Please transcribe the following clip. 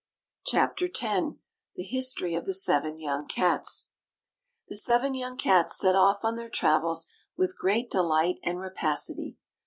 CHAPTER X THE HISTORY OF THE SEVEN YOUNG CATS The seven young cats set off on their travels with great delight and rapacity.